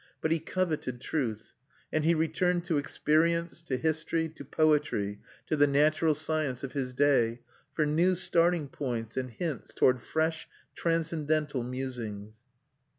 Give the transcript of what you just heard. But he coveted truth; and he returned to experience, to history, to poetry, to the natural science of his day, for new starting points and hints toward fresh transcendental musings.